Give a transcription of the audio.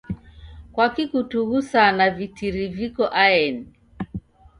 Kwaki kutughusaa na vitiri viko aeni?